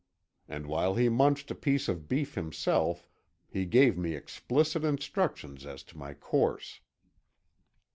And while he munched a piece of beef himself, he gave me explicit directions as to my course.